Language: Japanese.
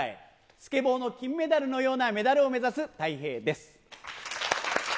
スケボーの金メダルのようなメダルを目指すたい平です。